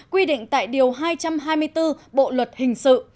quy định tại điều hai trăm hai mươi bốn bộ luật hình sự